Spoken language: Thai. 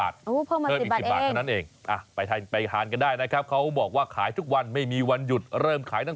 ถ้าจะเอาพิเศษหน่อยแบบว่าใส่หอยเยอะ